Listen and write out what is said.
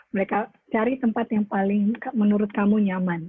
mereka cari tempat yang paling menurut kamu nyaman